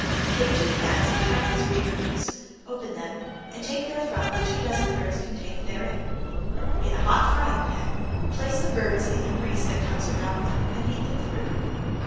Take two cans of Chinese reed birds, open them and take therefrom the two dozen birds contained therein. In a hot frying pan place the birds in the grease that comes around them and heat them through.